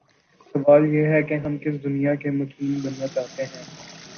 سوال یہ ہے کہ ہم کس دنیا کے مکین بننا چاہتے ہیں؟